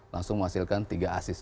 langsung menghasilkan tiga asis